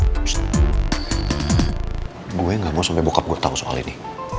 pokoknya gak mau sampe bokap gue tau soal ini